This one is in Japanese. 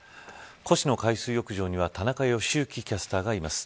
越廼海水浴場には田中良幸キャスターがいます。